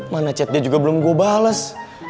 mana chatnya juga belum gue bales